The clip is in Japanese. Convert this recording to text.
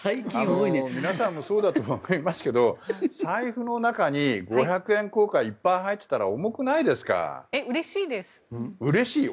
皆さんもそうだと思いますけど財布の中に五百円硬貨がいっぱい入っていたらうれしいです。